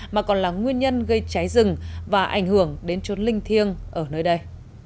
mà còn là nguyên nhân gây cháy rừng và ảnh hưởng đến trốn linh thiêng ở nơi đây